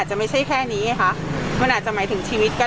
ช่วงนี้คือ